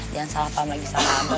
jangan salah paham lagi sama abah